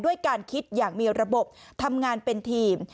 การคิดอย่างมีระบบทำงานเป็นทีม